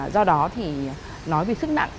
do đó thì nói về sức nặng